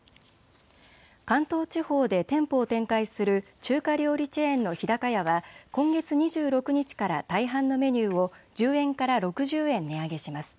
関東地方で店舗を展開する中華料理チェーンの日高屋は今月２６日から大半のメニューを１０円から６０円値上げします。